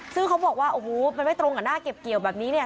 ซึ่งเขาบอกว่าโอ้โหมันไม่ตรงกับหน้าเก็บเกี่ยวแบบนี้เนี่ย